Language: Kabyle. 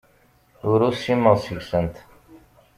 Ur usimeɣ seg-sent.